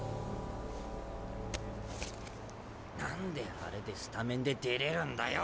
何であれでスタメンで出れるんだよ。